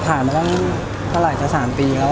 ผ่านมาก็เกือบ๓ปีแล้ว